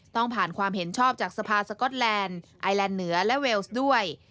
ต้องผ่านความเห็นชอบจากสภาสก๊อตแลนด์ไอแลนด์เหนือและเวลส์ด้วย